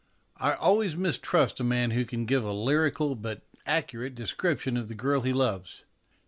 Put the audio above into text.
I always mistrust a man who can give a lyrical, but accurate, description of the girl he loves.